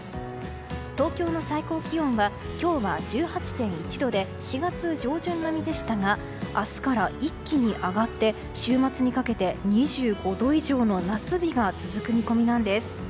東京の最高気温は今日は１８．１度で４月上旬並みでしたが明日から一気に上がって週末にかけて２５度以上の夏日が続く見込みなんです。